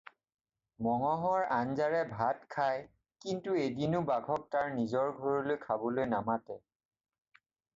মঙহৰ আঞ্জাৰে ভাত খায়, কিন্তু এদিনো বাঘক তাৰ নিজৰ ঘৰলৈ খাবলৈ নামাতে।